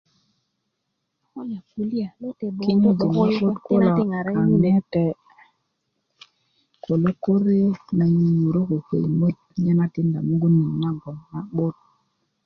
kinyöjin lo'but kulo a ŋete ko lokore na yuyurö ko köyumöt nye na tinda mugun net na bgwoŋ na'but